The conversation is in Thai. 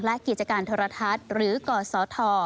และกิจการโทรทัศน์หรือกศธ